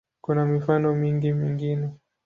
Kuna mifano mingi mingine.